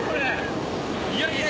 いやいや！